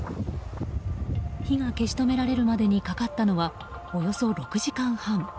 火が消し止められるまでにかかったのはおよそ６時間半。